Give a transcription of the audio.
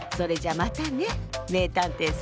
またね！